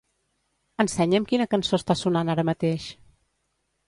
Ensenya'm quina cançó està sonant ara mateix.